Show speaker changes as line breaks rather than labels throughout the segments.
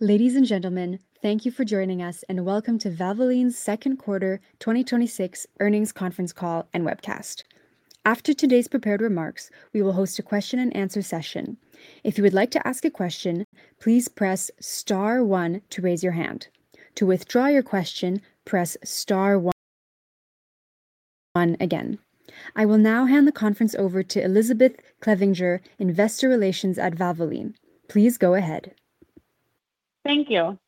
Ladies and gentlemen, thank you for joining us, and welcome to Valvoline's second quarter 2026 earnings conference call and webcast. After today's prepared remarks, we will host a question and answer session. If you would like to ask a question, please press star one to raise your hand. To withdraw your question, press star one again. I will now hand the conference over to Elizabeth Clevinger, investor relations at Valvoline. Please go ahead.
Thank you.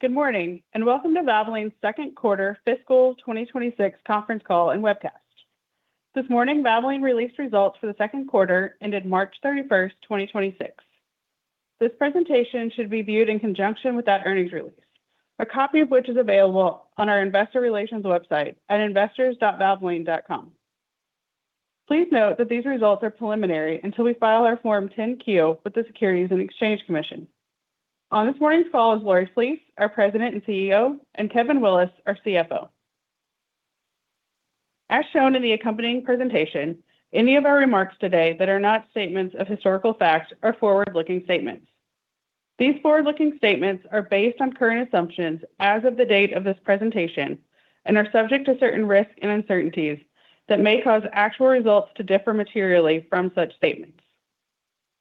Good morning, and welcome to Valvoline's second quarter fiscal 2026 conference call and webcast. This morning, Valvoline released results for the second quarter ended March 31, 2026. This presentation should be viewed in conjunction with that earnings release, a copy of which is available on our investor relations website at investors.valvoline.com. Please note that these results are preliminary until we file our Form 10-Q with the Securities and Exchange Commission. On this morning's call is Lori Flees, our President and CEO, and Kevin Willis, our CFO. As shown in the accompanying presentation, any of our remarks today that are not statements of historical fact are forward-looking statements. These forward-looking statements are based on current assumptions as of the date of this presentation and are subject to certain risks and uncertainties that may cause actual results to differ materially from such statements.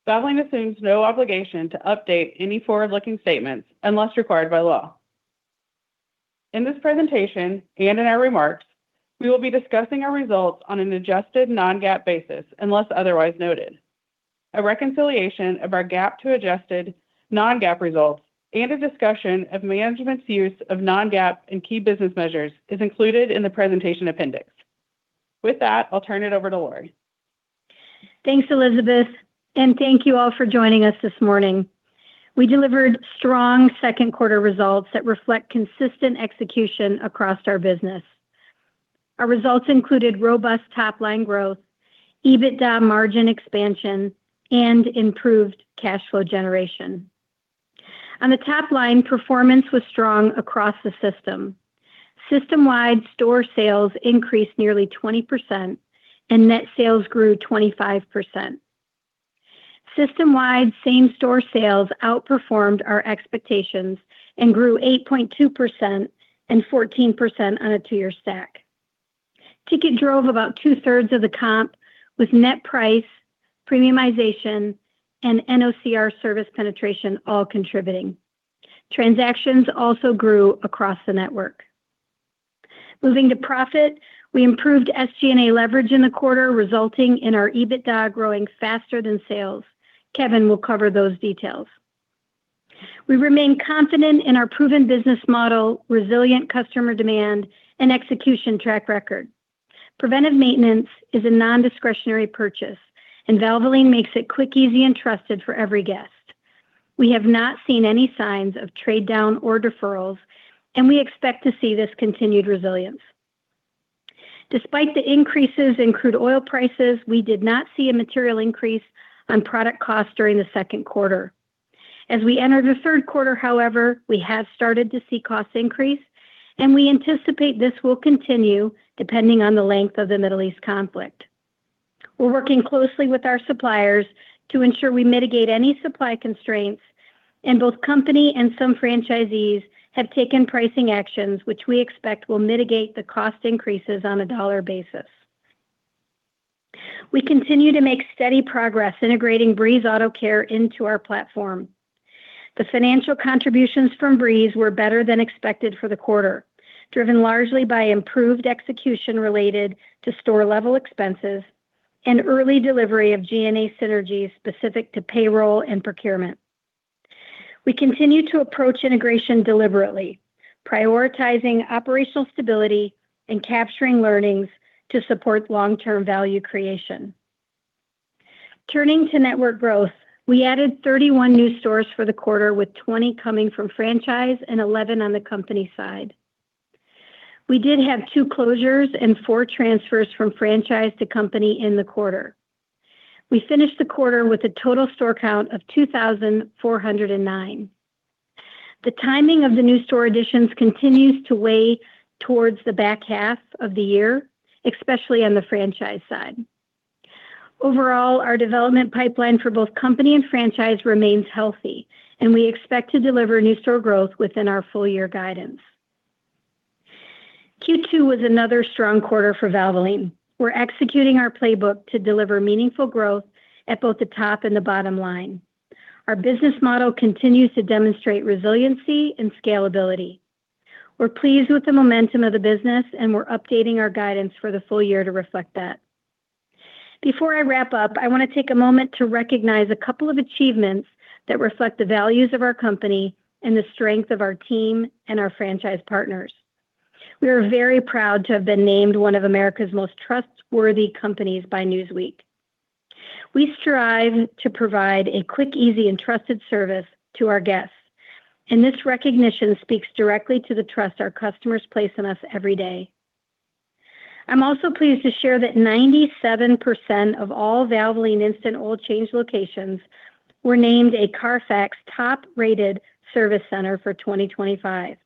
Valvoline assumes no obligation to update any forward-looking statements unless required by law. In this presentation, and in our remarks, we will be discussing our results on an adjusted non-GAAP basis unless otherwise noted. A reconciliation of our GAAP to adjusted non-GAAP results and a discussion of management's use of non-GAAP and key business measures is included in the presentation appendix. With that, I'll turn it over to Lori.
Thanks, Elizabeth, and thank you all for joining us this morning. We delivered strong second quarter results that reflect consistent execution across our business. Our results included robust top-line growth, EBITDA margin expansion, and improved cash flow generation. On the top line, performance was strong across the system. System-wide store sales increased nearly 20%, and net sales grew 25%. System-wide same-store sales outperformed our expectations and grew 8.2% and 14% on a two year stack. Ticket drove about two-thirds of the comp with net price, premiumization, and NOCR service penetration all contributing. Transactions also grew across the network. Moving to profit, we improved SG&A leverage in the quarter, resulting in our EBITDA growing faster than sales. Kevin will cover those details. We remain confident in our proven business model, resilient customer demand, and execution track record. Preventive maintenance is a non-discretionary purchase, and Valvoline makes it quick, easy, and trusted for every guest. We have not seen any signs of trade down or deferrals, and we expect to see this continued resilience. Despite the increases in crude oil prices, we did not see a material increase on product costs during the second quarter. As we enter the third quarter, however, we have started to see costs increase, and we anticipate this will continue depending on the length of the Middle East conflict. We're working closely with our suppliers to ensure we mitigate any supply constraints, and both company and some franchisees have taken pricing actions which we expect will mitigate the cost increases on a dollar basis. We continue to make steady progress integrating Breeze Autocare into our platform. The financial contributions from Breeze were better than expected for the quarter, driven largely by improved execution related to store-level expenses and early delivery of G&A synergies specific to payroll and procurement. We continue to approach integration deliberately, prioritizing operational stability and capturing learnings to support long-term value creation. Turning to network growth, we added 31 new stores for the quarter, with 20 coming from franchise and 11 on the company side. We did have two closures and four transfers from franchise to company in the quarter. We finished the quarter with a total store count of 2,409. The timing of the new store additions continues to weigh towards the back half of the year, especially on the franchise side. Our development pipeline for both company and franchise remains healthy, and we expect to deliver new store growth within our full year guidance. Q2 was another strong quarter for Valvoline. We're executing our playbook to deliver meaningful growth at both the top and the bottom line. Our business model continues to demonstrate resiliency and scalability. We're pleased with the momentum of the business, and we're updating our guidance for the full year to reflect that. Before I wrap up, I want to take a moment to recognize a couple of achievements that reflect the values of our company and the strength of our team and our franchise partners. We are very proud to have been named one of America's most trustworthy companies by Newsweek. We strive to provide a quick, easy, and trusted service to our guests, and this recognition speaks directly to the trust our customers place in us every day. I'm also pleased to share that 97% of all Valvoline Instant Oil Change locations were named a CARFAX Top Rated service center for 2025.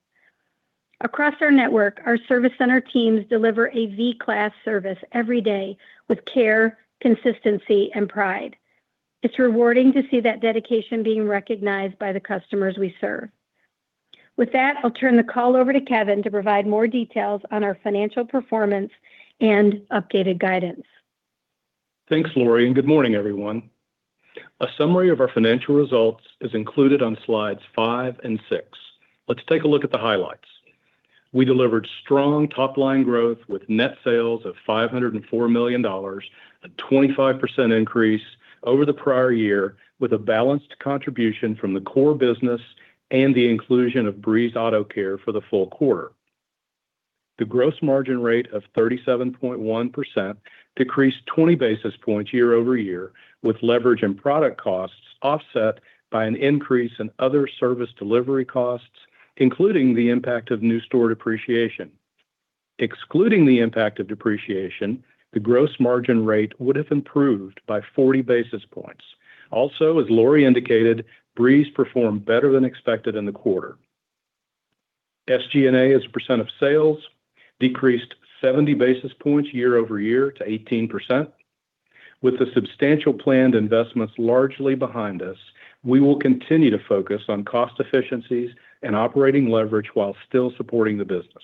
Across our network, our service center teams deliver a V-Class service every day with care, consistency, and pride. It's rewarding to see that dedication being recognized by the customers we serve. With that, I'll turn the call over to Kevin to provide more details on our financial performance and updated guidance.
Thanks, Lori, and good morning, everyone. A summary of our financial results is included on slides five and six. Let's take a look at the highlights. We delivered strong top-line growth with net sales of $504 million, a 25% increase over the prior year, with a balanced contribution from the core business and the inclusion of Breeze Autocare for the full quarter. The gross margin rate of 37.1% decreased 20 basis points year-over-year, with leverage and product costs offset by an increase in other service delivery costs, including the impact of new store depreciation. Excluding the impact of depreciation, the gross margin rate would have improved by 40 basis points. As Lori indicated, Breeze performed better than expected in the quarter. SG&A as a percent of sales decreased 70 basis points year-over-year to 18%. With the substantial planned investments largely behind us, we will continue to focus on cost efficiencies and operating leverage while still supporting the business.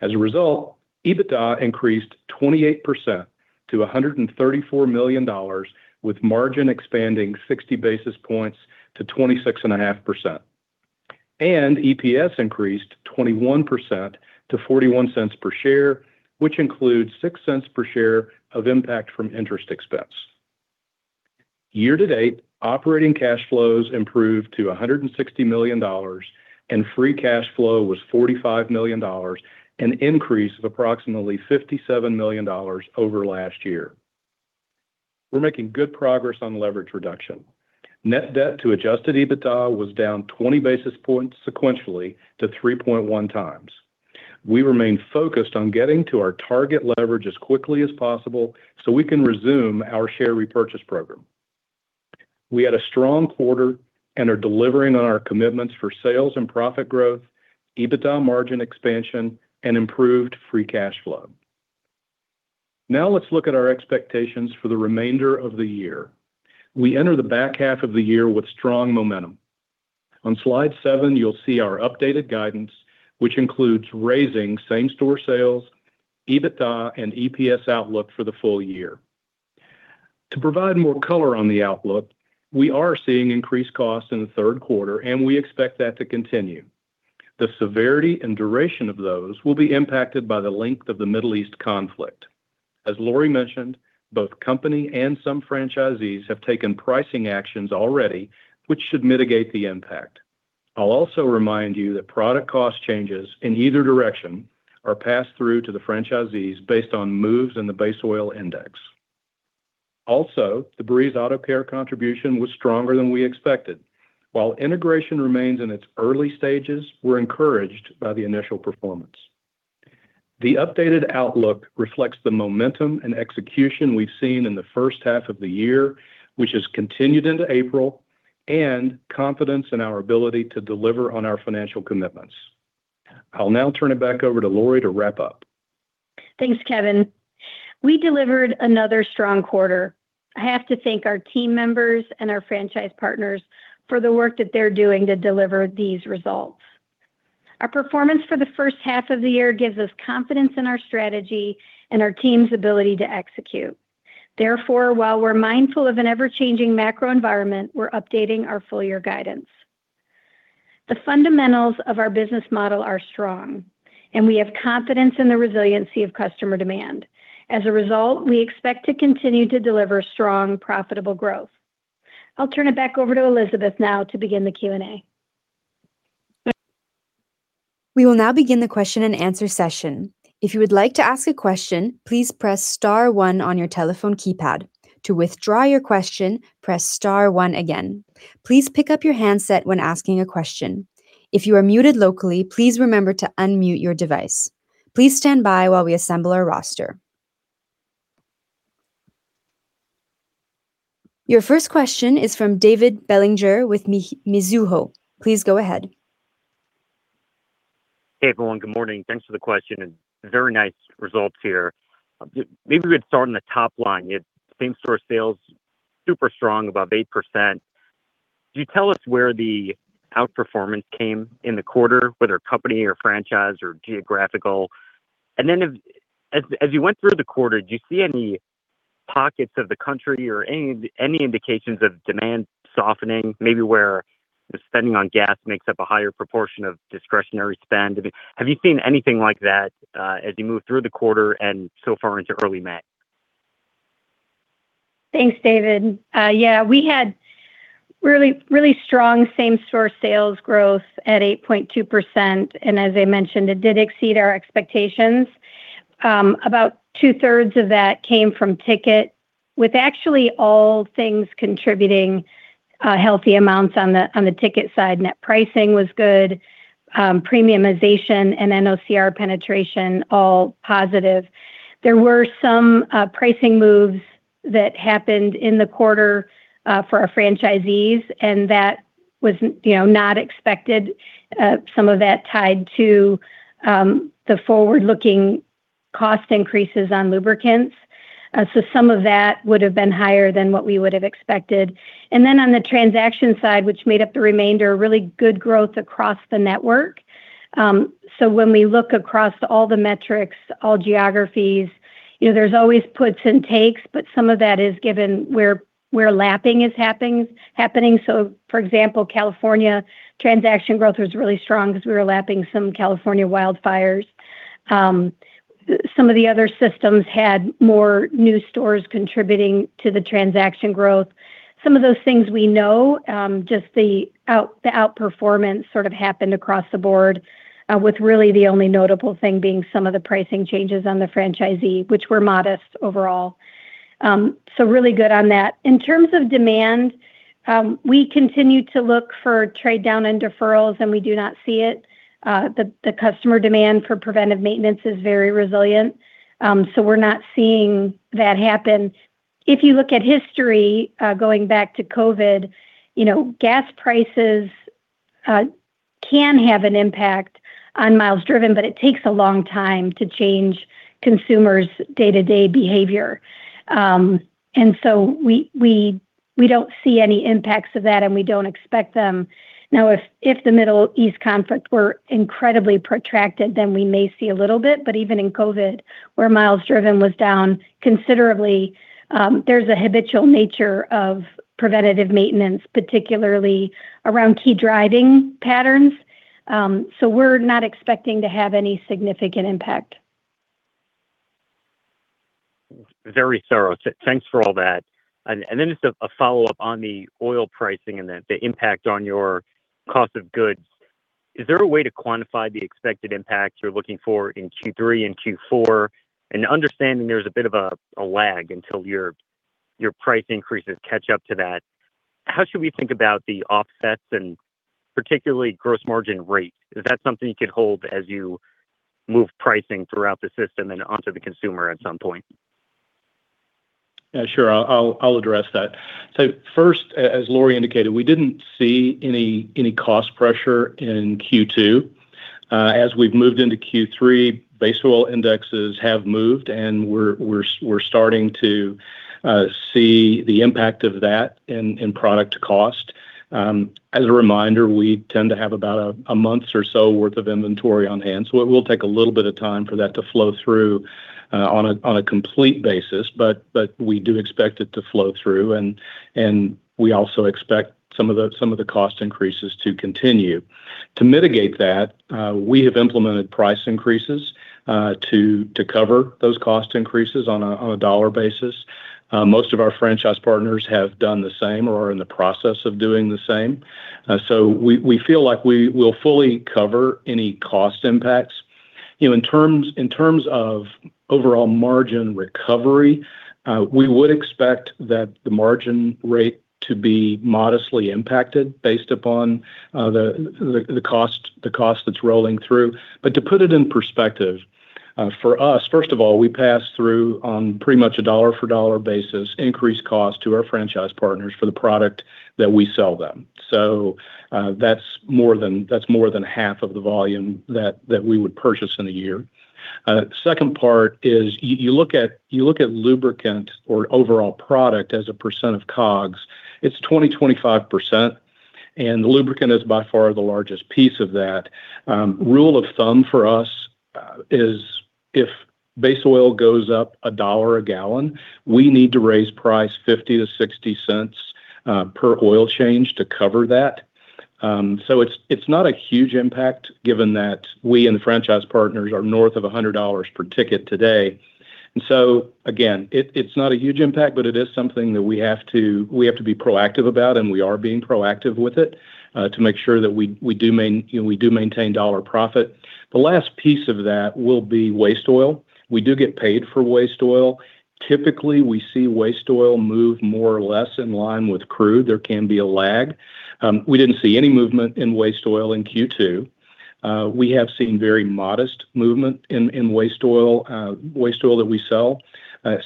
As a result, EBITDA increased 28% to $134 million, with margin expanding 60 basis points to 26.5%. EPS increased 21% to $0.41 per share, which includes $0.06 per share of impact from interest expense. Year to date, operating cash flows improved to $160 million, and free cash flow was $45 million, an increase of approximately $57 million over last year. We're making good progress on leverage reduction. Net debt to adjusted EBITDA was down 20 basis points sequentially to 3.1x. We remain focused on getting to our target leverage as quickly as possible so we can resume our share repurchase program. We had a strong quarter and are delivering on our commitments for sales and profit growth, EBITDA margin expansion, and improved free cash flow. Let's look at our expectations for the remainder of the year. We enter the back half of the year with strong momentum. On slide seven, you'll see our updated guidance, which includes raising same-store sales, EBITDA, and EPS outlook for the full year. To provide more color on the outlook, we are seeing increased costs in the third quarter, and we expect that to continue. The severity and duration of those will be impacted by the length of the Middle East conflict. As Lori mentioned, both company and some franchisees have taken pricing actions already, which should mitigate the impact. I'll also remind you that product cost changes in either direction are passed through to the franchisees based on moves in the base oil index. The Breeze Autocare contribution was stronger than we expected. While integration remains in its early stages, we're encouraged by the initial performance. The updated outlook reflects the momentum and execution we've seen in the first half of the year, which has continued into April, and confidence in our ability to deliver on our financial commitments. I'll now turn it back over to Lori to wrap up.
Thanks, Kevin. We delivered another strong quarter. I have to thank our team members and our franchise partners for the work that they're doing to deliver these results. Our performance for the first half of the year gives us confidence in our strategy and our team's ability to execute. While we're mindful of an ever-changing macro environment, we're updating our full year guidance. The fundamentals of our business model are strong, and we have confidence in the resiliency of customer demand. As a result, we expect to continue to deliver strong, profitable growth. I'll turn it back over to Elizabeth now to begin the Q&A.
We will now begin the question and answer session. If you would like to ask a question, please press star 1 on your telephone keypad. To withdraw your question, press star one again. Please pick up your handset when asking a question. If you are muted locally, please remember to unmute your device. Please stand by while we assemble our roster. Your first question is from David Bellinger with Mizuho. Please go ahead.
Hey, everyone. Good morning. Thanks for the question and very nice results here. Maybe we could start on the top line. You had same-store sales super strong, above 8%. Could you tell us where the outperformance came in the quarter, whether company or franchise or geographical? Then if, as you went through the quarter, do you see any pockets of the country or any indications of demand softening, maybe where the spending on gas makes up a higher proportion of discretionary spend? Have you seen anything like that as you move through the quarter and so far into early May?
Thanks, David. Yeah, we had really strong same-store sales growth at 8.2%. As I mentioned, it did exceed our expectations. About two-thirds of that came from ticket, with actually all things contributing healthy amounts on the ticket side. Net pricing was good. Premiumization and NOCR penetration all positive. There were some pricing moves that happened in the quarter for our franchisees, and that was, you know, not expected. Some of that tied to the forward-looking cost increases on lubricants. Some of that would've been higher than what we would've expected. Then on the transaction side, which made up the remainder, really good growth across the network. When we look across all the metrics, all geographies, you know, there's always puts and takes, but some of that is given where lapping is happening. For example, California transaction growth was really strong 'cause we were lapping some California wildfires. Some of the other systems had more new stores contributing to the transaction growth. Some of those things we know, just the outperformance sort of happened across the board, with really the only notable thing being some of the pricing changes on the franchisee, which were modest overall. Really good on that. In terms of demand, we continue to look for trade-down and deferrals, and we do not see it. The customer demand for preventive maintenance is very resilient, we're not seeing that happen. If you look at history, going back to COVID, you know, gas prices can have an impact on miles driven, but it takes a long time to change consumers' day-to-day behavior. We don't see any impacts of that, and we don't expect them. If the Middle East conflict were incredibly protracted, then we may see a little bit, but even in COVID, where miles driven was down considerably, there's a habitual nature of preventative maintenance, particularly around key driving patterns. We're not expecting to have any significant impact.
Very thorough. Thanks for all that. Then just a follow-up on the oil pricing and the impact on your cost of goods. Is there a way to quantify the expected impact you're looking for in Q3 and Q4? Understanding there's a bit of a lag until your price increases catch up to that, how should we think about the offsets and particularly gross margin rate? Is that something you could hold as you move pricing throughout the system and onto the consumer at some point?
Yeah, sure. I'll address that. First, as Lori indicated, we didn't see any cost pressure in Q2. As we've moved into Q3, base oil indexes have moved, and we're starting to see the impact of that in product cost. As a reminder, we tend to have about a month's or so worth of inventory on hand, so it will take a little bit of time for that to flow through on a complete basis. We do expect it to flow through, and we also expect some of the cost increases to continue. To mitigate that, we have implemented price increases to cover those cost increases on a dollar basis. Most of our franchise partners have done the same or are in the process of doing the same. We feel like we will fully cover any cost impacts. You know, in terms of overall margin recovery, we would expect that the margin rate to be modestly impacted based upon the cost that's rolling through. To put it in perspective, for us, first of all, we pass through on pretty much a dollar for dollar basis increased cost to our franchise partners for the product that we sell them. That's more than half of the volume that we would purchase in a year. Second part is you look at lubricant or overall product as a percent of COGS. It's 20%-25%, the lubricant is by far the largest piece of that. Rule of thumb for us is if base oil goes up $1 a gallon, we need to raise price $0.50-$0.60 per oil change to cover that. It's not a huge impact given that we and the franchise partners are north of $100 per ticket today. Again, it's not a huge impact, but it is something that we have to be proactive about, and we are being proactive with it to make sure that we do maintain dollar profit. The last piece of that will be waste oil. We do get paid for waste oil. Typically, we see waste oil move more or less in line with crude. There can be a lag. We didn't see any movement in waste oil in Q2. We have seen very modest movement in waste oil, waste oil that we sell,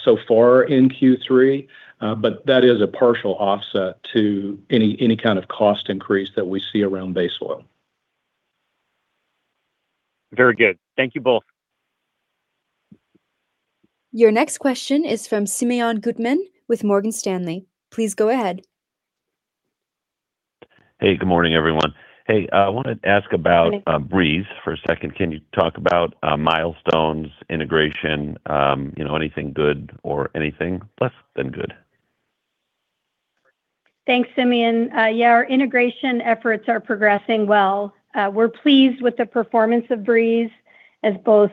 so far in Q3. That is a partial offset to any kind of cost increase that we see around base oil.
Very good. Thank you both.
Your next question is from Simeon Gutman with Morgan Stanley. Please go ahead.
Good morning, everyone. I wanted to ask about Breeze for a second. Can you talk about milestones, integration, you know, anything good or anything less than good?
Thanks, Simeon. Yeah, our integration efforts are progressing well. We're pleased with the performance of Breeze, as both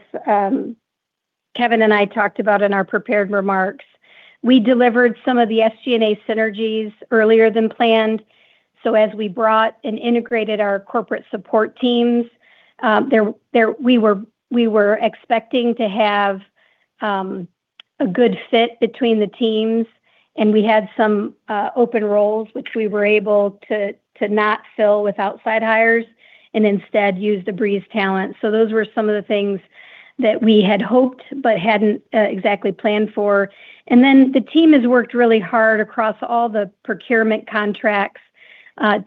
Kevin and I talked about in our prepared remarks. We delivered some of the SG&A synergies earlier than planned. As we brought and integrated our corporate support teams, we were expecting to have a good fit between the teams. We had some open roles which we were able to not fill with outside hires, and instead use the Breeze talent. Those were some of the things that we had hoped but hadn't exactly planned for. The team has worked really hard across all the procurement contracts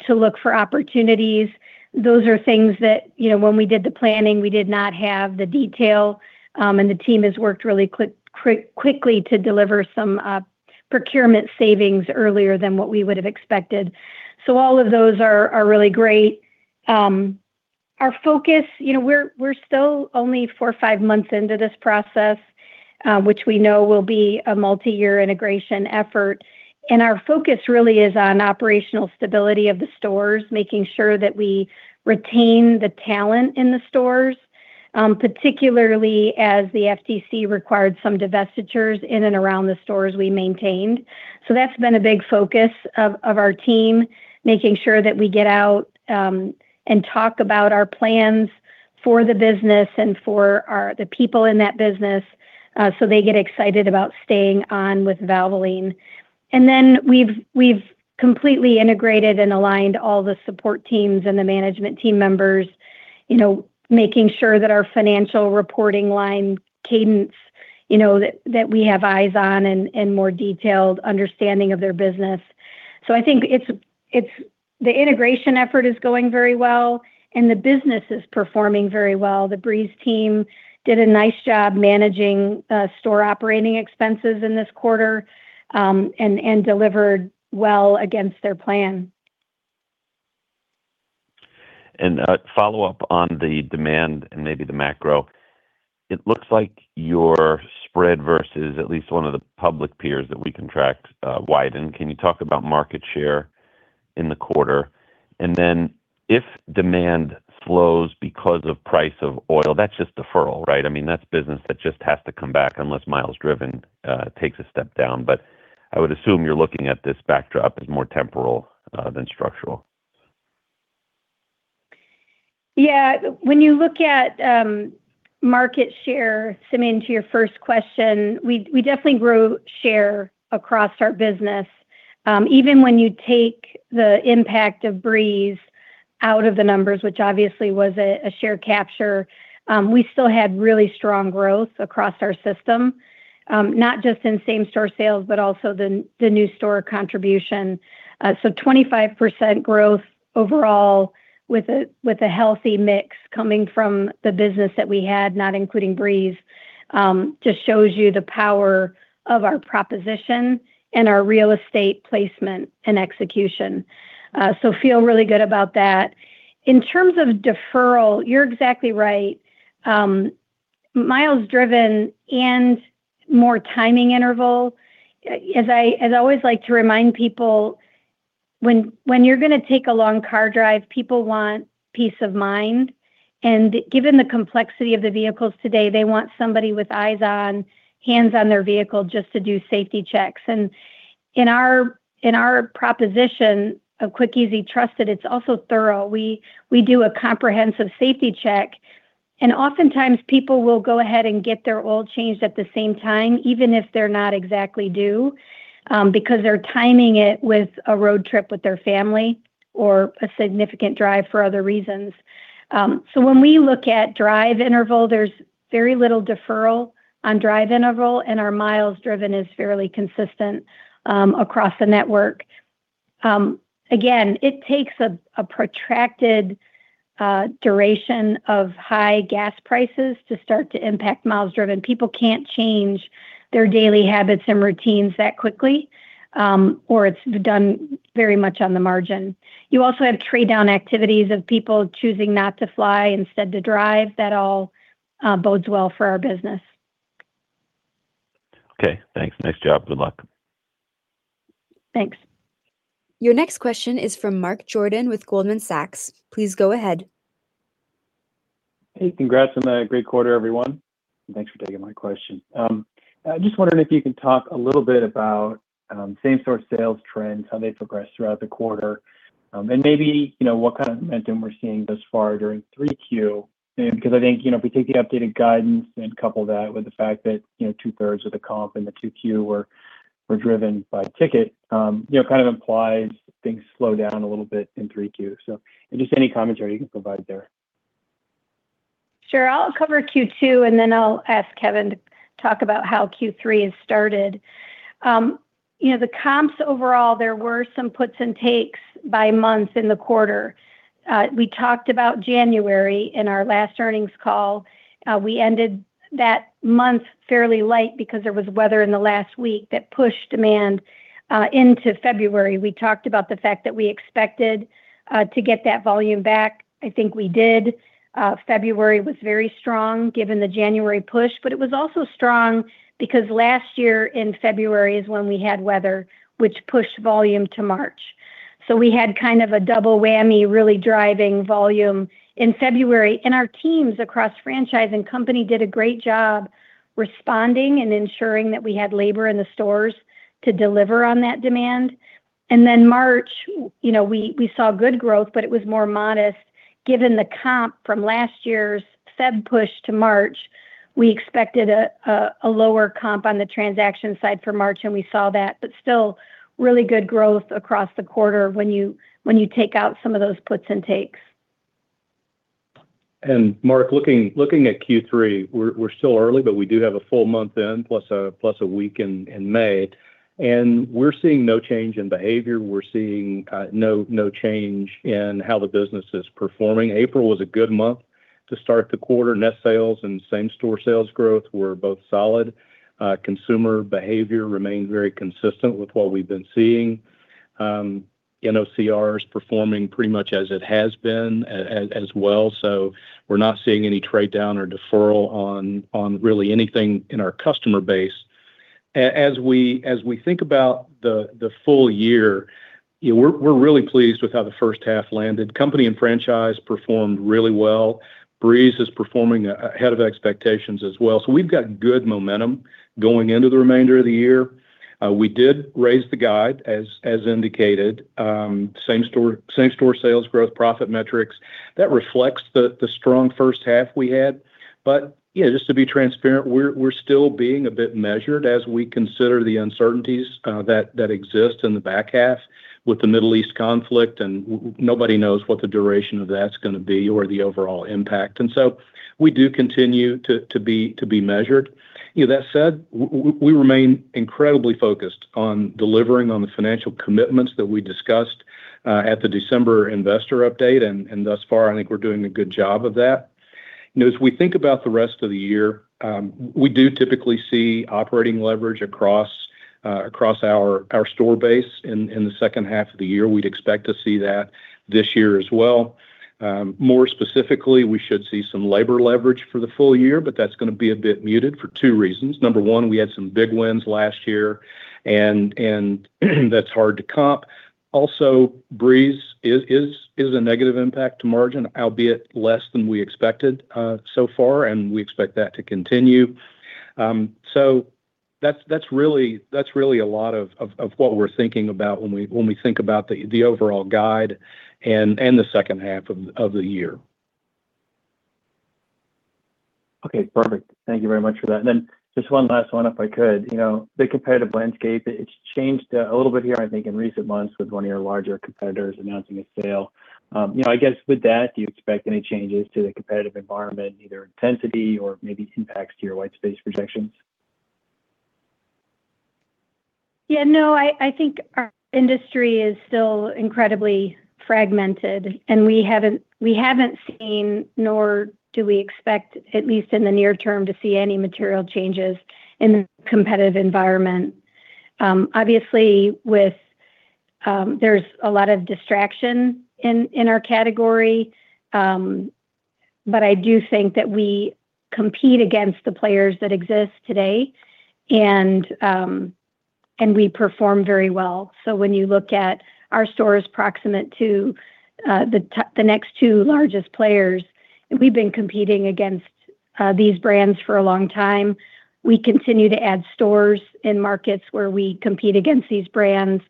to look for opportunities. Those are things that, you know, when we did the planning, we did not have the detail. The team has worked really quickly to deliver some procurement savings earlier than what we would have expected. All of those are really great. Our focus, you know, we're still only four or five months into this process, which we know will be a multi-year integration effort, our focus really is on operational stability of the stores, making sure that we retain the talent in the stores, particularly as the FTC required some divestitures in and around the stores we maintained. That's been a big focus of our team, making sure that we get out and talk about our plans for the business and for our the people in that business, so they get excited about staying on with Valvoline. We've completely integrated and aligned all the support teams and the management team members, you know, making sure that our financial reporting line cadence, you know, we have eyes on and more detailed understanding of their business. I think the integration effort is going very well and the business is performing very well. The Breeze team did a nice job managing store operating expenses in this quarter and delivered well against their plan.
A follow-up on the demand and maybe the macro. It looks like your spread versus at least one of the public peers that we can track, widened. Can you talk about market share in the quarter? Then if demand slows because of price of oil, that's just deferral, right? I mean, that's business that just has to come back unless miles driven takes a step down. I would assume you're looking at this backdrop as more temporal than structural.
When you look at market share, Simeon, to your first question, we definitely grew share across our business. Even when you take the impact of Breeze out of the numbers, which obviously was a share capture, we still had really strong growth across our system. Not just in same-store sales, but also the new store contribution. 25% growth overall with a healthy mix coming from the business that we had, not including Breeze, just shows you the power of our proposition and our real estate placement and execution. Feel really good about that. In terms of deferral, you're exactly right. Miles driven and more timing interval. As I always like to remind people, when you're gonna take a long car drive, people want peace of mind. Given the complexity of the vehicles today, they want somebody with eyes on, hands on their vehicle just to do safety checks. In our proposition of quick, easy, trusted, it's also thorough. We do a comprehensive safety check, and oftentimes people will go ahead and get their oil changed at the same time, even if they're not exactly due, because they're timing it with a road trip with their family or a significant drive for other reasons. When we look at drive interval, there's very little deferral on drive interval, and our miles driven is fairly consistent across the network. Again, it takes a protracted duration of high gas prices to start to impact miles driven. People can't change their daily habits and routines that quickly, or it's done very much on the margin. You also have trade-down activities of people choosing not to fly, instead to drive. That all bodes well for our business.
Okay, thanks. Nice job. Good luck.
Thanks.
Your next question is from Mark Jordan with Goldman Sachs. Please go ahead.
Hey, congrats on a great quarter, everyone. Thanks for taking my question. I'm just wondering if you can talk a little bit about same-store sales trends, how they progressed throughout the quarter, and maybe, you know, what kind of momentum we're seeing thus far during 3Q. Because I think, you know, if we take the updated guidance and couple that with the fact that, you know, two-thirds of the comp in the 2Q were driven by ticket, you know, kind of implies things slow down a little bit in 3Q. Just any commentary you can provide there.
Sure. I'll cover Q two, and then I'll ask Kevin to talk about how Q3 has started. You know, the comps overall, there were some puts and takes by month in the quarter. We talked about January in our last earnings call. We ended that month fairly light because there was weather in the last week that pushed demand into February. We talked about the fact that we expected to get that volume back. I think we did. February was very strong given the January push, but it was also strong because last year in February is when we had weather which pushed volume to March. We had kind of a double whammy really driving volume in February. Our teams across franchise and company did a great job responding and ensuring that we had labor in the stores to deliver on that demand. Then March, you know, we saw good growth, but it was more modest given the comp from last year's Feb push to March. We expected a lower comp on the transaction side for March, and we saw that. Still, really good growth across the quarter when you take out some of those puts and takes.
Mark, looking at Q3, we're still early, but we do have a full month in, plus a week in May. We're seeing no change in behavior. We're seeing no change in how the business is performing. April was a good month to start the quarter. Net sales and same-store sales growth were both solid. Consumer behavior remained very consistent with what we've been seeing. You know, NOCR is performing pretty much as it has been as well. We're not seeing any trade down or deferral on really anything in our customer base. As we think about the full year, you know, we're really pleased with how the first half landed. Company and franchise performed really well. Breeze is performing ahead of expectations as well. We've got good momentum going into the remainder of the year. We did raise the guide, as indicated. Same store sales growth, profit metrics, that reflects the strong first half we had. Yeah, just to be transparent, we're still being a bit measured as we consider the uncertainties that exist in the back half with the Middle East conflict, and nobody knows what the duration of that's gonna be or the overall impact. We do continue to be measured. You know, that said, we remain incredibly focused on delivering on the financial commitments that we discussed at the December investor update. Thus far, I think we're doing a good job of that. You know, as we think about the rest of the year, we do typically see operating leverage across our store base in the second half of the year. We'd expect to see that this year as well. More specifically, we should see some labor leverage for the full year, but that's gonna be a bit muted for two reasons. Number one, we had some big wins last year, and that's hard to comp. Also, Breeze is a negative impact to margin, albeit less than we expected so far, and we expect that to continue. That's really a lot of what we're thinking about when we think about the overall guide and the second half of the year.
Okay, perfect. Thank you very much for that. Just one last one, if I could. You know, the competitive landscape, it's changed a little bit here, I think, in recent months with one of your larger competitors announcing a sale. You know, I guess with that, do you expect any changes to the competitive environment, either intensity or maybe impacts to your white space projections?
I think our industry is still incredibly fragmented, we haven't seen, nor do we expect, at least in the near term, to see any material changes in the competitive environment. Obviously, with, there's a lot of distraction in our category. I do think that we compete against the players that exist today, and we perform very well. When you look at our stores proximate to the next two largest players, we've been competing against these brands for a long time. We continue to add stores in markets where we compete against these brands.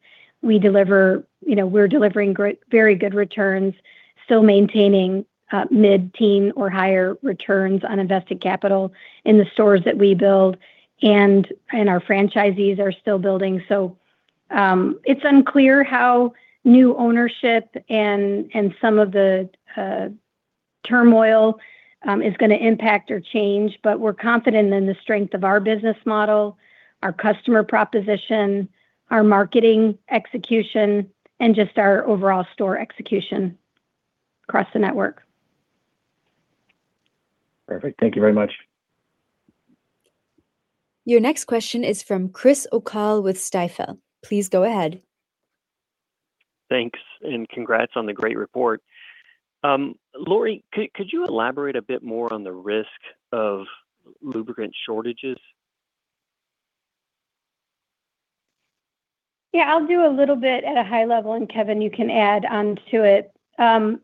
We deliver, you know, we're delivering very good returns, still maintaining mid-teen or higher returns on invested capital in the stores that we build. Our franchisees are still building. It's unclear how new ownership and some of the turmoil is gonna impact or change, but we're confident in the strength of our business model, our customer proposition, our marketing execution, and just our overall store execution across the network.
Perfect. Thank you very much.
Your next question is from Chris O'Cull with Stifel. Please go ahead.
Thanks, congrats on the great report. Lori, could you elaborate a bit more on the risk of lubricant shortages?
Yeah, I'll do a little bit at a high level, and Kevin, you can add onto it. The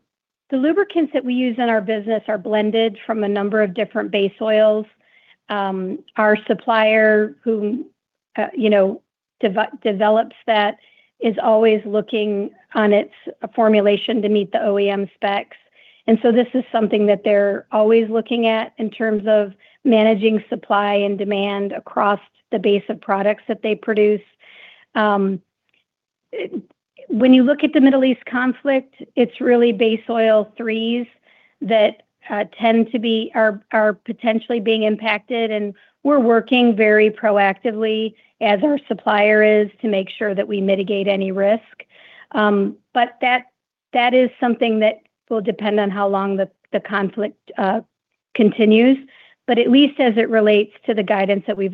lubricants that we use in our business are blended from a number of different base oils. Our supplier who, you know, develops that is always looking on its formulation to meet the OEM specs. This is something that they're always looking at in terms of managing supply and demand across the base of products that they produce. When you look at the Middle East conflict, it's really Group III base oils that tend to be are potentially being impacted. We're working very proactively, as our supplier is, to make sure that we mitigate any risk. But that is something that will depend on how long the conflict continues. At least as it relates to the guidance that we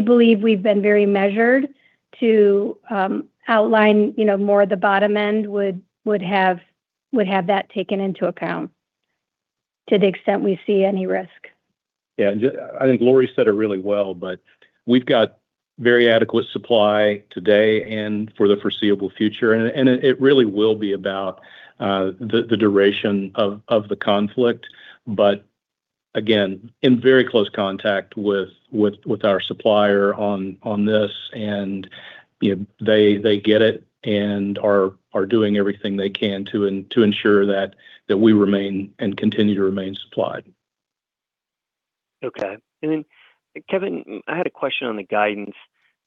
believe we've been very measured to outline, you know, more of the bottom end would have that taken into account to the extent we see any risk.
Yeah, I think Lori said it really well, but we've got very adequate supply today and for the foreseeable future. It really will be about the duration of the conflict. Again, in very close contact with our supplier on this. You know, they get it and are doing everything they can to ensure that we remain and continue to remain supplied.
Okay. Then, Kevin, I had a question on the guidance.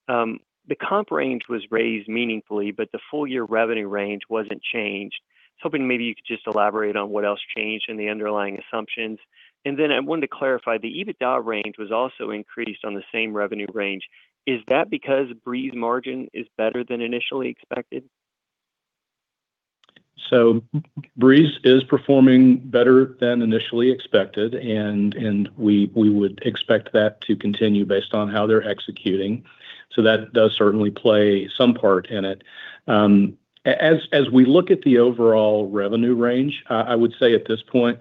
The comp range was raised meaningfully, but the full year revenue range wasn't changed. I was hoping maybe you could just elaborate on what else changed in the underlying assumptions. Then I wanted to clarify, the EBITDA range was also increased on the same revenue range. Is that because Breeze margin is better than initially expected?
Breeze is performing better than initially expected, and we would expect that to continue based on how they're executing. That does certainly play some part in it. As we look at the overall revenue range, I would say at this point,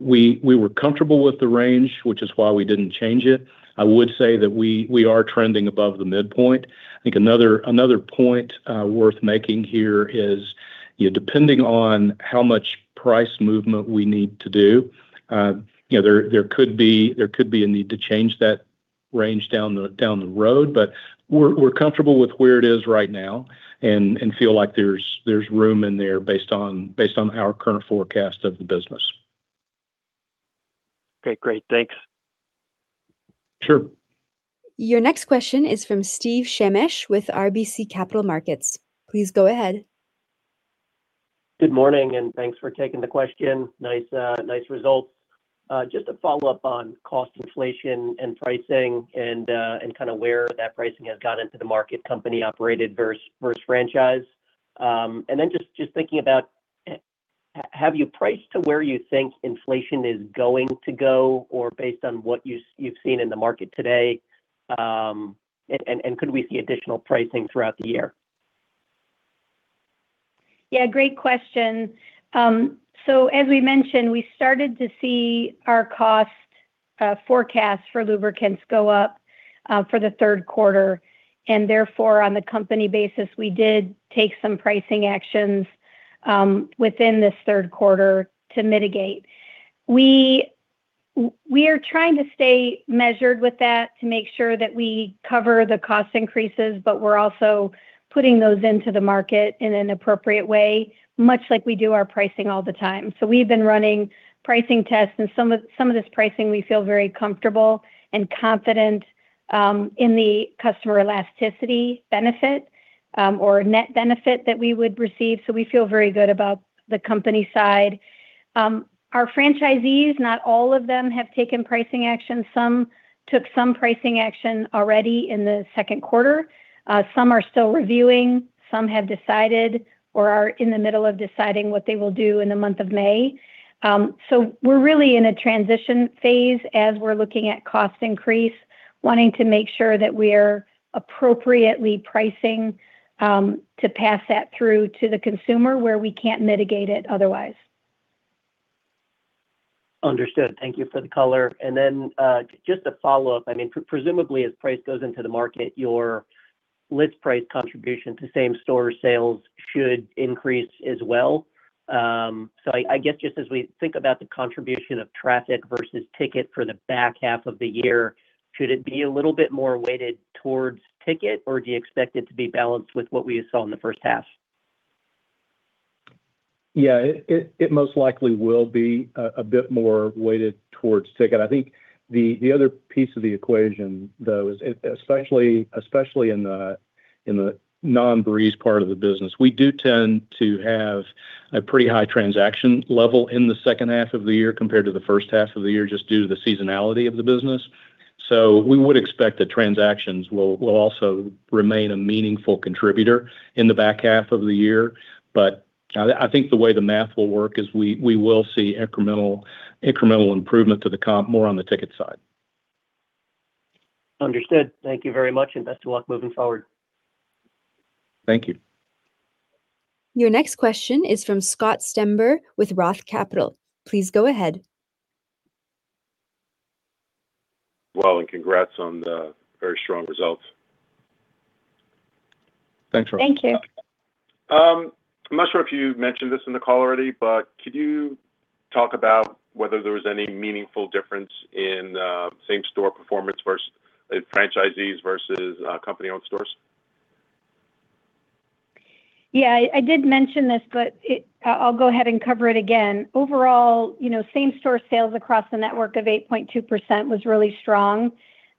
we were comfortable with the range, which is why we didn't change it. I would say that we are trending above the midpoint. I think another point worth making here is, you know, depending on how much price movement we need to do, you know, there could be a need to change that range down the road, but we're comfortable with where it is right now and feel like there's room in there based on our current forecast of the business.
Okay, great. Thanks.
Sure.
Your next question is from Steven Shemesh with RBC Capital Markets. Please go ahead.
Good morning, thanks for taking the question. Nice, nice results. Just to follow up on cost inflation and pricing and kind of where that pricing has gone into the market, company operated versus franchise. Just thinking about, have you priced to where you think inflation is going to go or based on what you've seen in the market today? Could we see additional pricing throughout the year?
Great question. As we mentioned, we started to see our cost forecast for lubricants go up for the third quarter, and therefore, on the company basis, we did take some pricing actions within this third quarter to mitigate. We are trying to stay measured with that to make sure that we cover the cost increases, but we're also putting those into the market in an appropriate way, much like we do our pricing all the time. We've been running pricing tests, and some of this pricing we feel very comfortable and confident in the customer elasticity benefit, or net benefit that we would receive. We feel very good about the company side. Our franchisees, not all of them have taken pricing action. Some took some pricing action already in the second quarter. Some are still reviewing. Some have decided or are in the middle of deciding what they will do in the month of May. We're really in a transition phase as we're looking at cost increase, wanting to make sure that we're appropriately pricing, to pass that through to the consumer where we can't mitigate it otherwise.
Understood. Thank you for the color. I mean, presumably as price goes into the market, your list price contribution to same store sales should increase as well. I guess just as we think about the contribution of traffic versus ticket for the back half of the year, should it be a little bit more weighted towards ticket, or do you expect it to be balanced with what we saw in the first half?
Yeah, it most likely will be a bit more weighted towards ticket. I think the other piece of the equation, though, is especially in the non-Breeze part of the business, we do tend to have a pretty high transaction level in the second half of the year compared to the first half of the year just due to the seasonality of the business. We would expect that transactions will also remain a meaningful contributor in the back half of the year. I think the way the math will work is we will see incremental improvement to the comp more on the ticket side.
Understood. Thank you very much, and best of luck moving forward.
Thank you.
Your next question is from Scott Stember with Roth Capital. Please go ahead.
Well, congrats on the very strong results.
Thanks, Scott. Thank you.
I'm not sure if you've mentioned this in the call already, but could you talk about whether there was any meaningful difference in same store performance versus franchisees versus company-owned stores?
I did mention this, but I'll go ahead and cover it again. Overall, you know, same store sales across the network of 8.2% was really strong.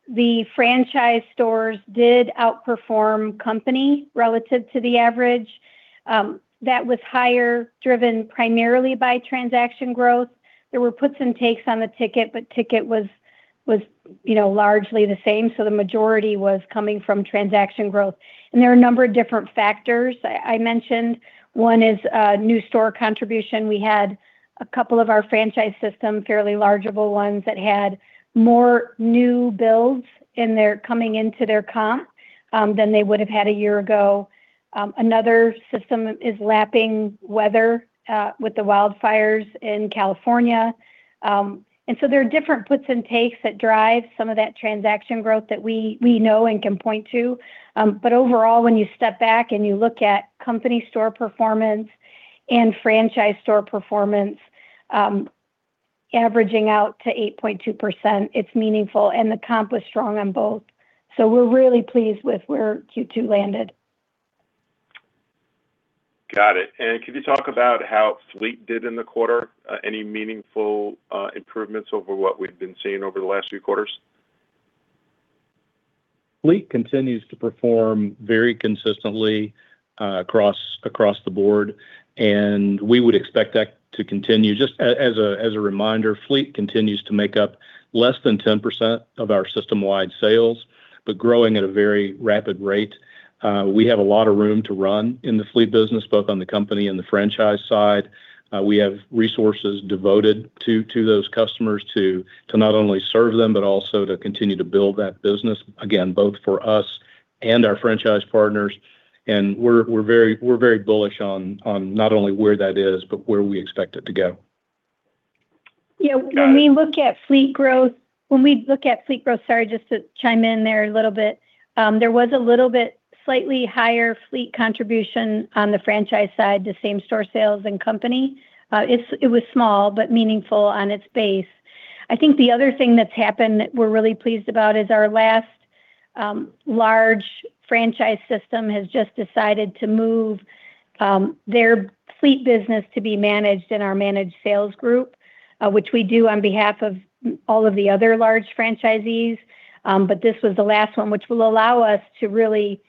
The franchise stores did outperform company relative to the average. That was higher driven primarily by transaction growth. There were puts and takes on the ticket was, you know, largely the same, the majority was coming from transaction growth. There are a number of different factors. I mentioned one is new store contribution. We had a couple of our franchise system, fairly largeable ones, that had more new builds coming into their comp than they would have had a year ago. Another system is lapping weather with the wildfires in California. There are different puts and takes that drive some of that transaction growth that we know and can point to. Overall, when you step back and you look at company store performance and franchise store performance, averaging out to 8.2%, it's meaningful, and the comp was strong on both. We're really pleased with where Q2 landed.
Got it. Could you talk about how fleet did in the quarter? Any meaningful improvements over what we've been seeing over the last few quarters?
Fleet continues to perform very consistently across the board, and we would expect that to continue. Just as a reminder, fleet continues to make up less than 10% of our system-wide sales, but growing at a very rapid rate. We have a lot of room to run in the fleet business, both on the company and the franchise side. We have resources devoted to those customers to not only serve them, but also to continue to build that business, again, both for us and our franchise partners. We're very bullish on not only where that is, but where we expect it to go.
Got it.
When we look at fleet growth, sorry, just to chime in there a little bit, there was a little bit slightly higher fleet contribution on the franchise side to same-store sales and company. It was small but meaningful on its base. I think the other thing that's happened that we're really pleased about is our last, large franchise system has just decided to move their fleet business to be managed in our managed sales group, which we do on behalf of all of the other large franchisees. This was the last one, which will allow us to really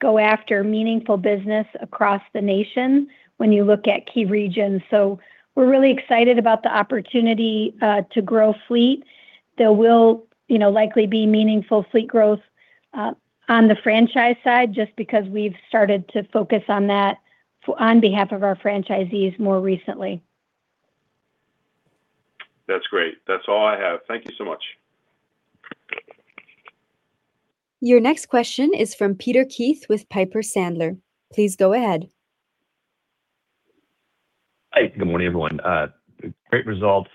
go after meaningful business across the nation when you look at key regions. We're really excited about the opportunity to grow fleet. There will, you know, likely be meaningful fleet growth, on the franchise side just because we've started to focus on that on behalf of our franchisees more recently.
That's great. That's all I have. Thank you so much.
Your next question is from Peter Keith with Piper Sandler. Please go ahead.
Hi, good morning, everyone. Great results.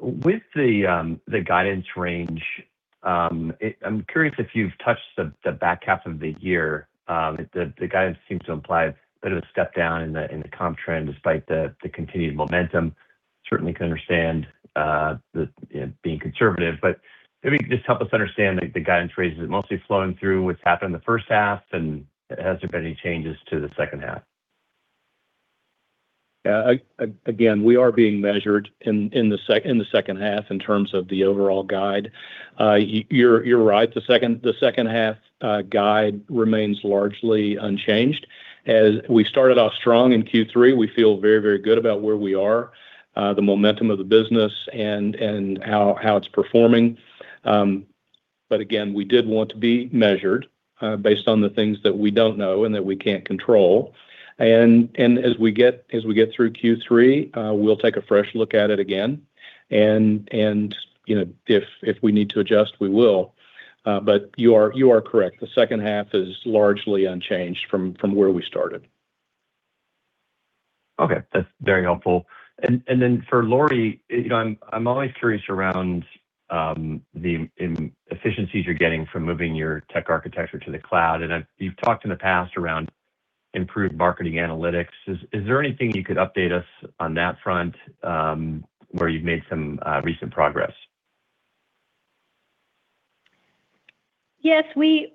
With the guidance range, I'm curious if you've touched the back half of the year. The guidance seems to imply bit of a step down in the comp trend despite the continued momentum. Certainly can understand, you know, being conservative, but maybe just help us understand the guidance range. Is it mostly flowing through what's happened in the first half, and has there been any changes to the second half?
Again, we are being measured in the second half in terms of the overall guide. You're right. The second half guide remains largely unchanged. As we started off strong in Q3, we feel very, very good about where we are, the momentum of the business and how it's performing. Again, we did want to be measured based on the things that we don't know and that we can't control. As we get through Q3, we'll take a fresh look at it again. You know, if we need to adjust, we will. You are correct. The second half is largely unchanged from where we started.
Okay. That's very helpful. Then for Lori, you know, I'm always curious around the inefficiencies you're getting from moving your tech architecture to the cloud. You've talked in the past around improved marketing analytics. Is there anything you could update us on that front, where you've made some recent progress?
Yes. We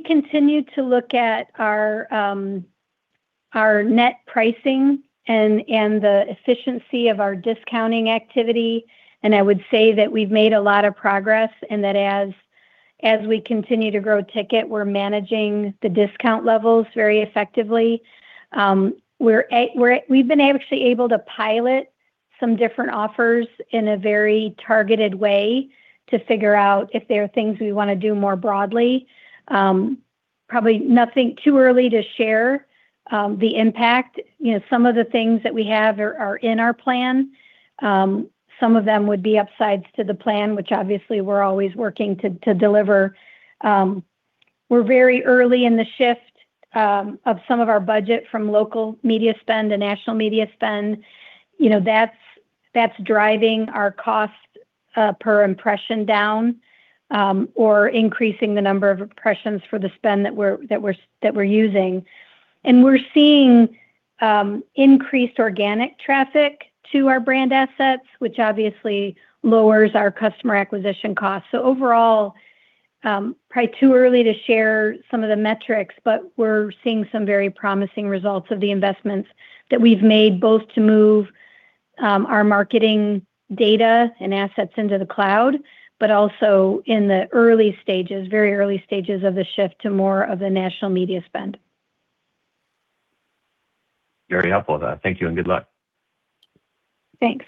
continue to look at our net pricing and the efficiency of our discounting activity. I would say that we've made a lot of progress, and that as we continue to grow ticket, we're managing the discount levels very effectively. We've been actually able to pilot some different offers in a very targeted way to figure out if there are things we wanna do more broadly. Probably nothing too early to share the impact. You know, some of the things that we have are in our plan. Some of them would be upsides to the plan, which obviously we're always working to deliver. We're very early in the shift of some of our budget from local media spend to national media spend. You know, that's driving our cost per impression down, or increasing the number of impressions for the spend that we're using. We're seeing increased organic traffic to our brand assets, which obviously lowers our customer acquisition costs. Overall, probably too early to share some of the metrics, but we're seeing some very promising results of the investments that we've made, both to move our marketing data and assets into the cloud, but also in the early stages, very early stages of the shift to more of the national media spend.
Very helpful. Thank you, and good luck.
Thanks.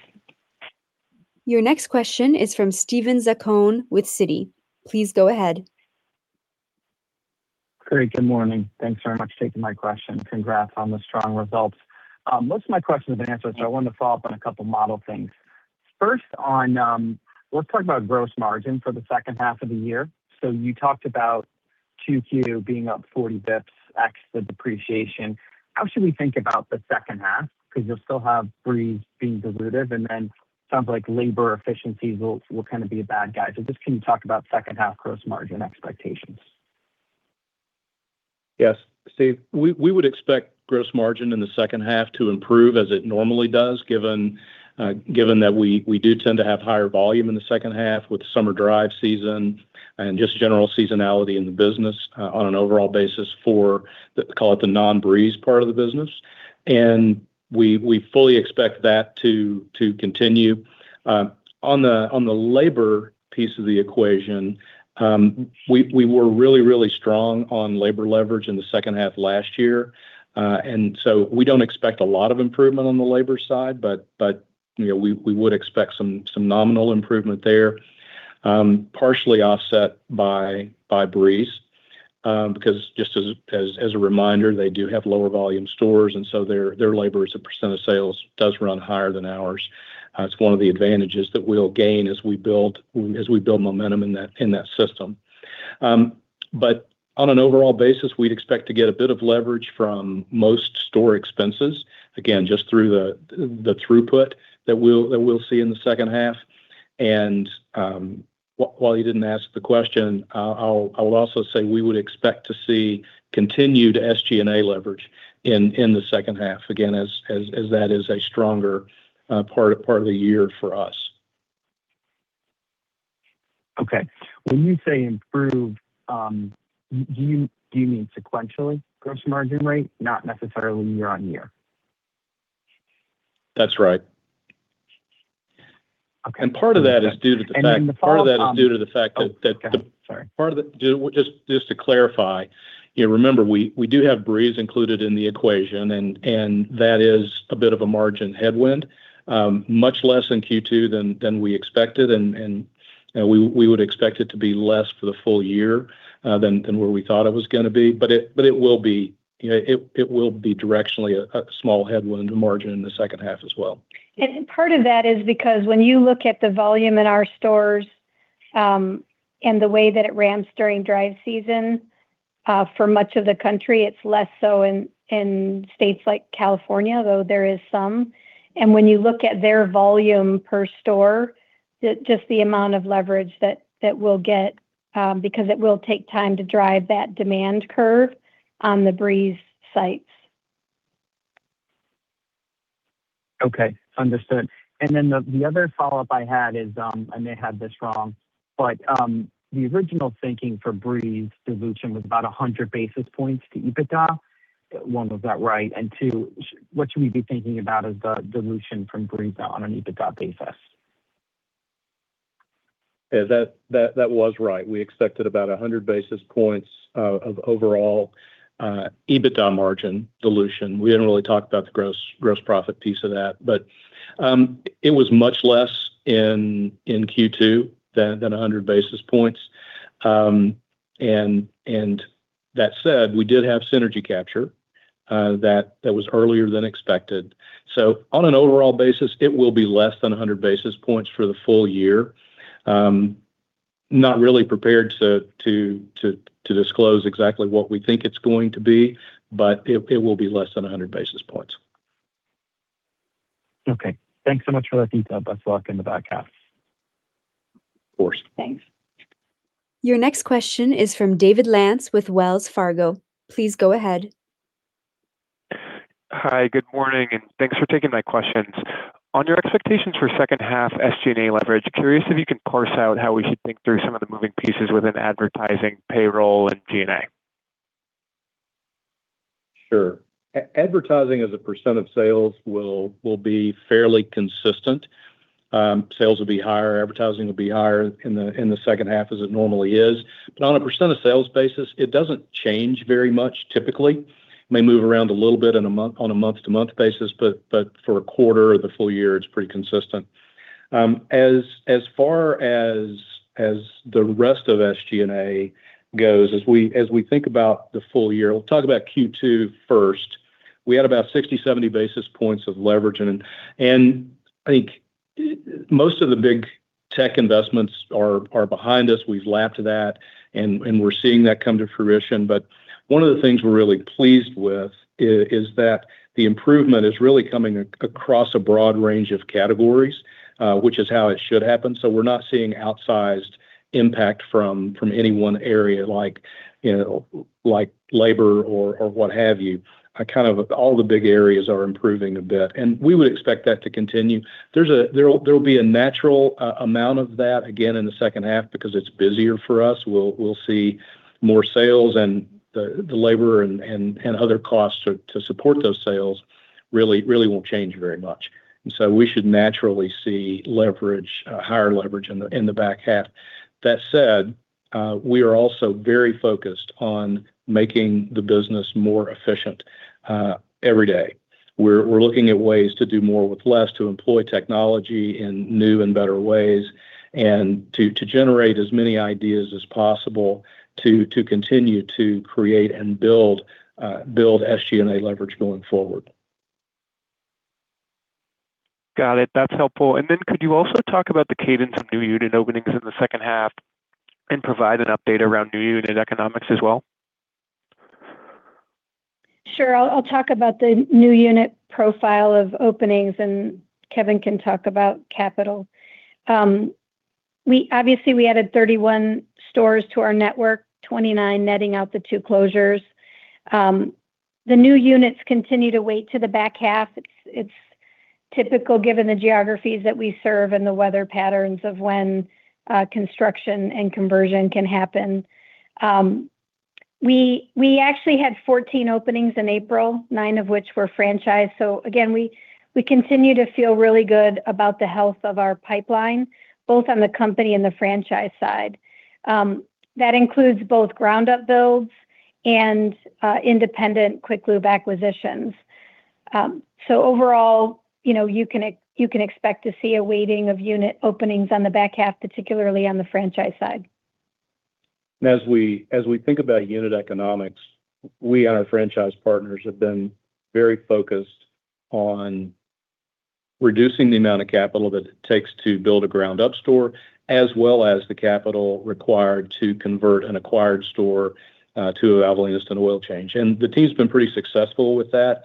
Your next question is from Steven Zaccone with Citi. Please go ahead.
Great. Good morning. Thanks very much for taking my question. Congrats on the strong results. Most of my questions have been answered. I wanted to follow up on two model things. First on, let's talk about gross margin for the second half of the year. You talked about Q2 being up 40 basis points excluding the depreciation. How should we think about the second half? You'll still have Breeze being dilutive, and then sounds like labor efficiencies will kind of be a bad guy. Just can you talk about second half gross margin expectations? Yes, Steve.
We would expect gross margin in the second half to improve as it normally does, given that we do tend to have higher volume in the second half with summer drive season and just general seasonality in the business on an overall basis for the call it the non-Breeze part of the business. We fully expect that to continue. On the labor piece of the equation, we were really strong on labor leverage in the second half last year. We don't expect a lot of improvement on the labor side, but, you know, we would expect some nominal improvement there. Partially offset by Breeze. Because just as a reminder, they do have lower volume stores, their labor as a percent of sales does run higher than ours. It's one of the advantages that we'll gain as we build momentum in that system. On an overall basis, we'd expect to get a bit of leverage from most store expenses. Again, just through the throughput that we'll see in the second half. While you didn't ask the question, I will also say we would expect to see continued SG&A leverage in the second half, again, as that is a stronger part of the year for us.
When you say improve, do you mean sequentially gross margin rate, not necessarily year-on-year?
That's right.
Okay.
Part of that is due to the fact.
Then the follow-up.
Part of that is due to the fact that.
Oh, okay. Sorry.
Just to clarify, you know, remember we do have Breeze included in the equation and that is a bit of a margin headwind. Much less in Q2 than we expected. You know, we would expect it to be less for the full year than where we thought it was gonna be. It will be, you know, it will be directionally a small headwind to margin in the second half as well.
Part of that is because when you look at the volume in our stores, and the way that it ramps during drive season, for much of the country, it's less so in states like California, though there is some. When you look at their volume per store, just the amount of leverage that we'll get, because it will take time to drive that demand curve on the Breeze sites.
Okay. Understood. The, the other follow-up I had is, I may have this wrong, but, the original thinking for Breeze dilution was about 100 basis points to EBITDA. One, was that right? Two, what should we be thinking about as the dilution from Breeze on an EBITDA basis?
Yeah, that was right. We expected about 100 basis points of overall EBITDA margin dilution. We didn't really talk about the gross profit piece of that. It was much less in Q2 than 100 basis points. That said, we did have synergy capture that was earlier than expected. On an overall basis, it will be less than 100 basis points for the full year. Not really prepared to disclose exactly what we think it's going to be, but it will be less than 100 basis points.
Okay. Thanks so much for that detail. Best of luck in the back half.
Of course.
Thanks.
Your next question is from David Lantz with Wells Fargo. Please go ahead.
Hi, good morning, and thanks for taking my questions. On your expectations for second half SG&A leverage, curious if you can parse out how we should think through some of the moving pieces within advertising, payroll, and G&A.
Sure. Advertising as a percent of sales will be fairly consistent. Sales will be higher, advertising will be higher in the second half as it normally is. On a percent of sales basis, it doesn't change very much typically. It may move around a little bit on a month-to-month basis, for a quarter or the full year, it's pretty consistent. As far as the rest of SG&A goes, as we think about the full year, I'll talk about Q2 first. We had about 60, 70 basis points of leverage. I think most of the big tech investments are behind us. We've lapped that and we're seeing that come to fruition. One of the things we're really pleased with is that the improvement is really coming across a broad range of categories, which is how it should happen. We're not seeing outsized impact from any one area like, you know, like labor or what have you. Kind of all the big areas are improving a bit, and we would expect that to continue. There will be a natural amount of that again in the second half because it's busier for us. We'll see more sales and the labor and other costs to support those sales really won't change very much. We should naturally see leverage, higher leverage in the back half. That said, we are also very focused on making the business more efficient every day. We're looking at ways to do more with less, to employ technology in new and better ways, and to generate as many ideas as possible to continue to create and build SG&A leverage going forward.
Got it. That's helpful. Could you also talk about the cadence of new unit openings in the second half and provide an update around new unit economics as well?
Sure. I'll talk about the new unit profile of openings, Kevin can talk about capital. Obviously, we added 31 stores to our network, 29 netting out the two closures. The new units continue to weight to the back half. It's typical given the geographies that we serve and the weather patterns of when construction and conversion can happen. We actually had 14 openings in April, 9 of which were franchise. Again, we continue to feel really good about the health of our pipeline, both on the company and the franchise side. That includes both ground-up builds and independent quick lube acquisitions. Overall, you know, you can expect to see a weighting of unit openings on the back half, particularly on the franchise side.
As we think about unit economics, we and our franchise partners have been very focused on reducing the amount of capital that it takes to build a ground-up store, as well as the capital required to convert an acquired store to a Valvoline Instant Oil Change. The team's been pretty successful with that,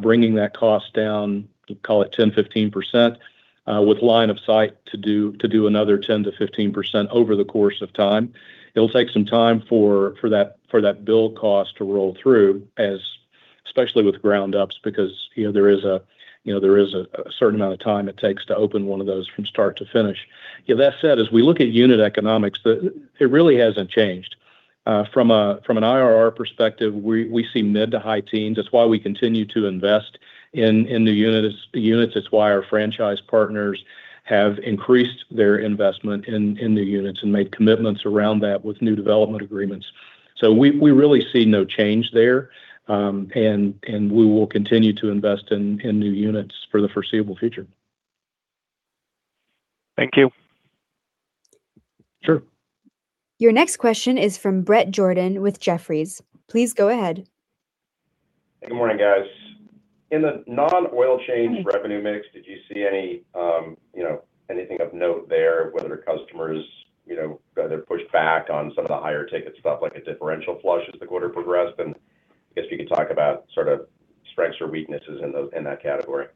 bringing that cost down, call it 10%-15%, with line of sight to do another 10%-15% over the course of time. It'll take some time for that build cost to roll through especially with ground-ups, because, you know, there is a certain amount of time it takes to open one of those from start to finish. Yeah, that said, as we look at unit economics, it really hasn't changed. From an IRR perspective, we see mid to high teens. That's why we continue to invest in the units. That's why our franchise partners have increased their investment in the units and made commitments around that with new development agreements. We really see no change there. We will continue to invest in new units for the foreseeable future.
Thank you.
Sure.
Your next question is from Bret Jordan with Jefferies. Please go ahead.
Good morning, guys. In the non-oil change revenue mix, did you see any, you know, anything of note there, whether customers, you know, rather pushed back on some of the higher ticket stuff like a differential flush as the quarter progressed? I guess you could talk about sort of strengths or weaknesses in that category.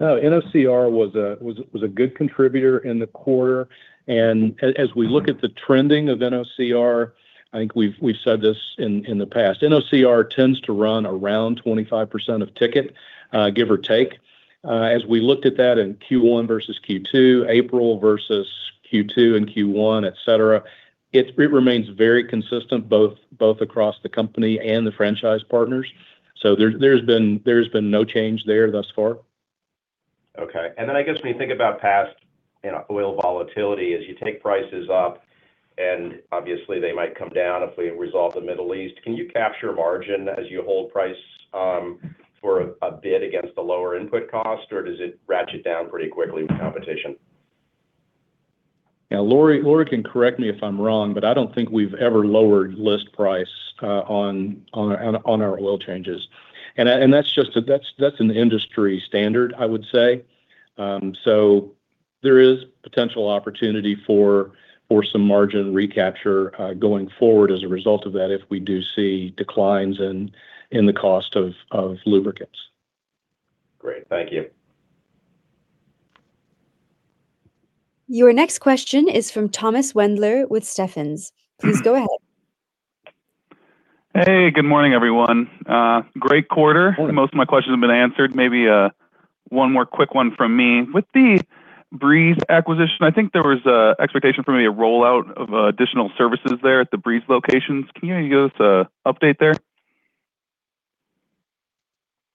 No, NOCR was a good contributor in the quarter. As we look at the trending of NOCR, I think we've said this in the past, NOCR tends to run around 25% of ticket, give or take. As we looked at that in Q1 versus Q2, April versus Q2 and Q1, et cetera, it remains very consistent both across the company and the franchise partners. There's been no change there thus far.
Okay. Then I guess when you think about past, you know, oil volatility, as you take prices up, and obviously they might come down if we resolve the Middle East, can you capture margin as you hold price for a bit against the lower input cost, or does it ratchet down pretty quickly with competition?
Yeah, Lori can correct me if I'm wrong, but I don't think we've ever lowered list price on our oil changes. That's just an industry standard, I would say. There is potential opportunity for some margin recapture going forward as a result of that if we do see declines in the cost of lubricants.
Great. Thank you.
Your next question is from Thomas Wendler with Stephens. Please go ahead.
Hey, good morning, everyone. Great quarter.
Thanks.
Most of my questions have been answered. Maybe, one more quick one from me. With the Breeze acquisition, I think there was a expectation for maybe a rollout of additional services there at the Breeze locations. Can you give us a update there?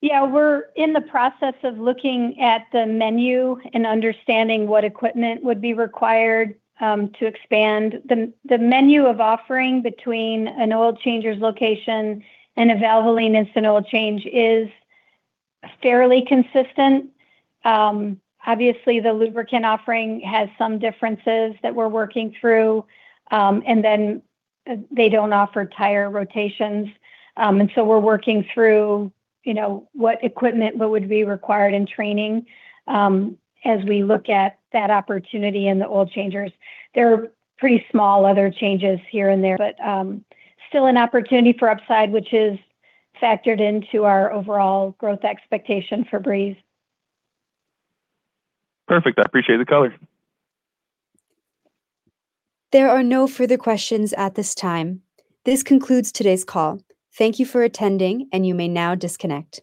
Yeah. We're in the process of looking at the menu and understanding what equipment would be required to expand. The menu of offering between an Oil Changers location and a Valvoline Instant Oil Change is fairly consistent. Obviously, the lubricant offering has some differences that we're working through. They don't offer tire rotations. We're working through, you know, what equipment would be required in training as we look at that opportunity in the Oil Changers. There are pretty small other changes here and there, but still an opportunity for upside, which is factored into our overall growth expectation for Breeze.
Perfect. I appreciate the color.
There are no further questions at this time. This concludes today's call. Thank you for attending, and you may now disconnect.